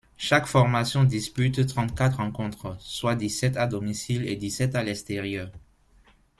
Chaque formation dispute trente-quatre rencontres, soit dix-sept à domicile et dix-sept à l'extérieur.